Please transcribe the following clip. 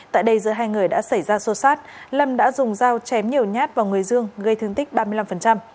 tại đây giữa hai người đã xảy ra xô xát lâm đã dùng dao chém nhiều nhát vào người dương gây thương tích ba mươi năm